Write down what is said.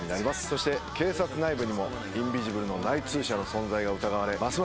そして警察内部にもインビジブルの内通者の存在が疑われます